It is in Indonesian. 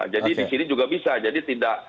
jadi di sini juga bisa